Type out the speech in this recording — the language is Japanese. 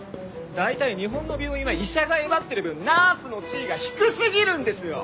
大体日本の病院は医者がえばってる分ナースの地位が低すぎるんですよ！